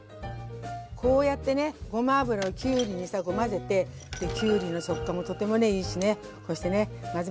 こうやってねごま油をきゅうりにしたらこう混ぜてきゅうりの食感もとてもねいいしねこうしてね混ぜますね。